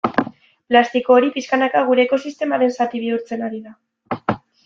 Plastiko hori pixkanaka gure ekosistemaren zati bihurtzen ari da.